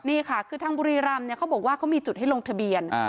นี่ค่ะคือทางบุรีรำเขาบอกว่าเขามีจุดให้ลงทะเบียน